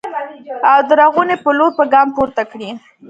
او د رغونې په لور به ګام پورته کړي